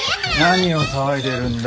何を騒いでるんだ？